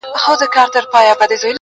لوړ دی ورگورمه، تر ټولو غرو پامير ښه دی.